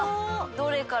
どれから？